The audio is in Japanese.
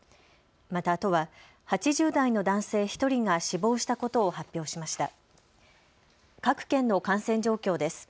また都は８０代の男性１人が死亡したことを発表しました。